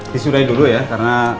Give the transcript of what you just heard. disuruh dulu ya karena